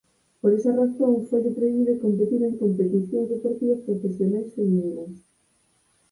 Por esa razón foille prohibido competir en competicións deportivas profesionais femininas.